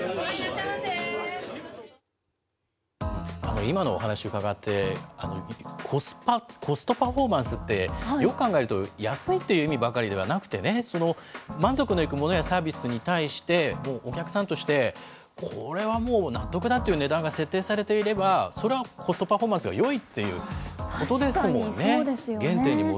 今のお話伺って、コスパ、コストパフォーマンスって、よく考えると、安いっていう意味ばかりではなくてね、満足のいくものやサービスに対して、お客さんとして、これはもう納得だっていう値段が設定されていれば、それはコストパフォーマンスがよいっていうことですもんね。